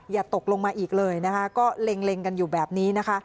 อย่าตกลงมาอีกเลยนะคะก็เล็งกันอยู่แบบนี้นะคะ